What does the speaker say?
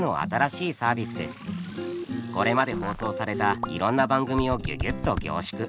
これまで放送されたいろんな番組をギュギュっと凝縮。